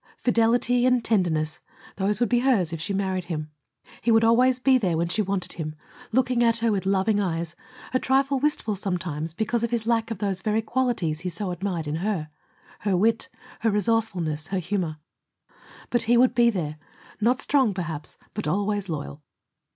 Fidelity and tenderness those would be hers if she married him. He would always be there when she wanted him, looking at her with loving eyes, a trifle wistful sometimes because of his lack of those very qualities he so admired in her her wit, her resourcefulness, her humor. But he would be there, not strong, perhaps, but always loyal.